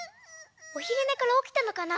おひるねからおきたのかな？